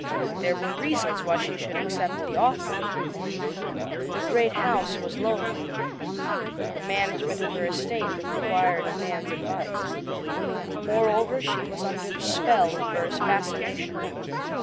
There were reasons why she should accept the offer. The great house was lonely. The management of her estate required a man's advice. Moreover, she was under the spell of Burr's fascination.